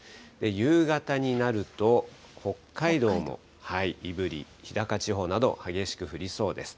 夕方になると、北海道も胆振、日高地方など、激しく降りそうです。